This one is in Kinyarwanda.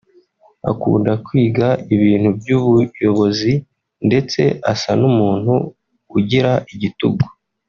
akunda kwiga ibintu by’ubuyobozi ndetse asa n’umuntu ugira igitugu